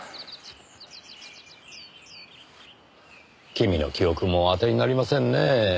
君の記憶も当てになりませんねぇ。